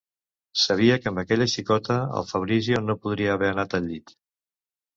Sabia que amb aquella xicota, el Fabrizio no podria haver anat al llit.